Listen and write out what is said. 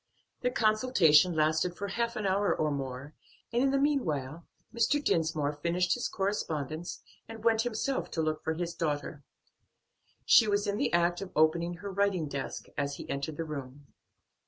Their consultation lasted for half an hour or more, and in the meanwhile Mr. Dinsmore finished his correspondence and went himself to look for his daughter. She was in the act of opening her writing desk as he entered the room.